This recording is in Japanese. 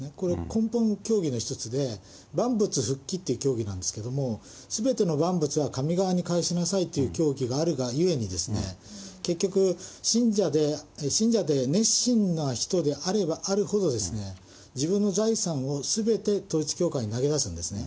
根本教義の一つで、万物復帰っていう教義なんですけれども、すべての万物は神側に返しなさいという教義があるがゆえに、結局、信者で熱心な人であればあるほどですね、自分の財産をすべて統一教会に投げ出すんですね。